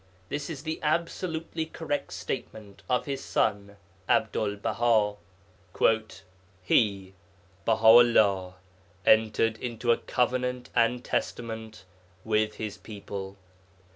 This is the absolutely correct statement of his son Abdul Baha. 'He (Baha 'ullah) entered into a Covenant and Testament with the people.